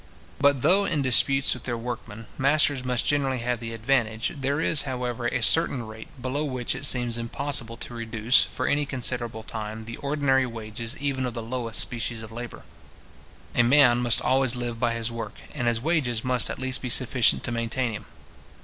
But though, in disputes with their workmen, masters must generally have the advantage, there is, however, a certain rate, below which it seems impossible to reduce, for any considerable time, the ordinary wages even of the lowest species of labour. A man must always live by his work, and his wages must at least be sufficient to maintain him.